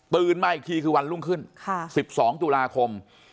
มาอีกทีคือวันรุ่งขึ้น๑๒ตุลาคม